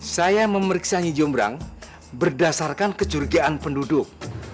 saya memeriksa nyi jomrang berdasarkan kecurigaan penduduk